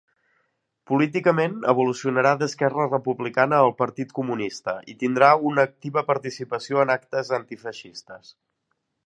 Políticament evolucionarà d'Esquerra Republicana al Partit Comunista, i tindrà una activa participació en actes antifeixistes.